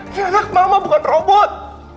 ini anak mama bukan robot